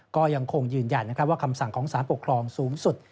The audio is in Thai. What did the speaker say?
ก็ยังคงยืนยันว่าคำสั่งของสารปกครองสูงสุด